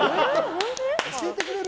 教えてくれる？